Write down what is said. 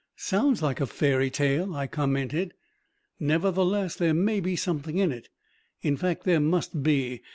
"Sounds like a fairy tale," I commented. "Nevertheless, there may be something in it. In fact, there must be.